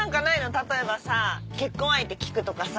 例えばさ結婚相手聞くとかさ。